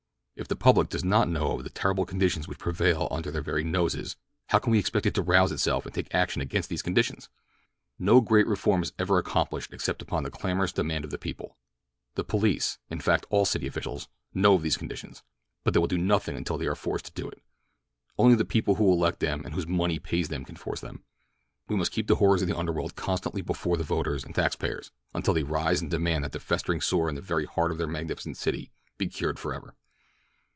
If the public does not know of the terrible conditions which prevail under their very noses, how can we expect it to rouse itself and take action against these conditions? "No great reform is ever accomplished except upon the clamorous demand of the people. The police—in fact all city officials—know of these conditions; but they will do nothing until they are forced to do it. Only the people who elect them and whose money pays them can force them. We must keep the horrors of the underworld constantly before the voters and tax payers until they rise and demand that the festering sore in the very heart of their magnificent city be cured forever.